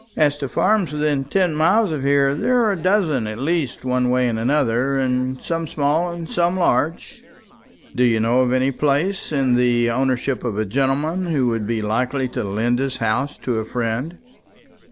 As to farms within ten miles of here, there are a dozen at least, one way and another some small, and some large." "Do you know of any place in the ownership of a gentleman who would be likely to lend his house to a friend?"